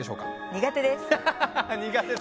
苦手です。